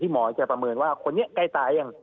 หมอจะประเมินว่าคนนี้ใกล้ตายยัง